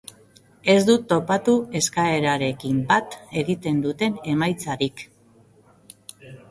Ez dut topatu eskaerarekin bat egiten duten emaitzarik.